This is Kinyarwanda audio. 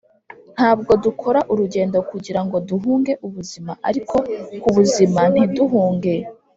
ntabwo dukora urugendo kugirango duhunge ubuzima, ariko kubuzima ntiduhunge.